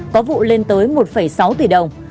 có vụ lên tới một sáu tỷ đồng